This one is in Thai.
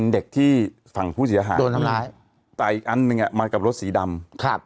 รังค่ะติ้งไหนคริปดีว่าปีกะแห้งอยู่แล้วไม่มีผลาอืม